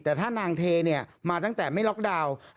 แต่ถ้านางเทเนี่ยมาตั้งแต่ไม่ล็อกดาวน์